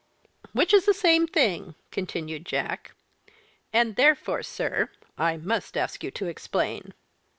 "'Which is the same thing,'" continued Jack. "'And therefore, sir, I must ask you to explain.'